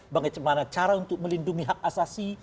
bagaimana cara untuk melindungi hak asasi